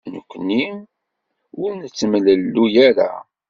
Nekkni ur nettemlelluy ara.